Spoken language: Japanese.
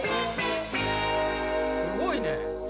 すごいね。